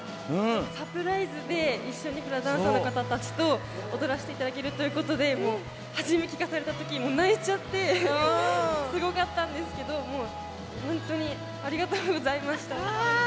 サプライズで、一緒にフラダンサーの方と踊らせていただけるということで初め聞かされた時泣いちゃってすごかったんですが本当にありがとうございました。